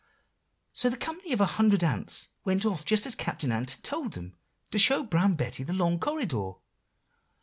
"So the company of a hundred ants went off just as Captain Ant had told them, to show Brown Betty the long corridor."